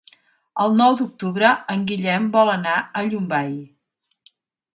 El nou d'octubre en Guillem vol anar a Llombai.